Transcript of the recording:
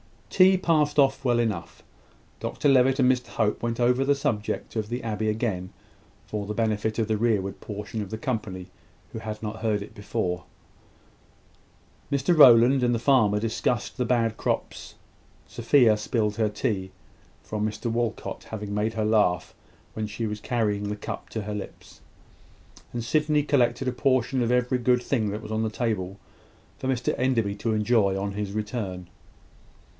Tea passed off well enough. Dr Levitt and Mr Hope went over the subject of the abbey again, for the benefit of the rearward portion of the company, who had not heard it before. Mr Rowland and the farmer discussed the bad crops. Sophia spilled her tea, from Mr Walcot having made her laugh when she was carrying the cup to her lips; and Sydney collected a portion of every good thing that was on the table for Mr Enderby to enjoy on his return.